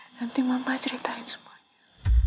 nanti mama ceritain semuanya